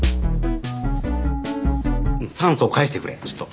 酸素を返してくれちょっと。